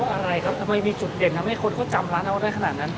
อะไรครับทำไมมีจุดเด่นทำให้คนเขาจำร้านเราได้ขนาดนั้น